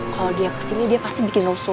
kalau dia kesini dia pasti bikin oso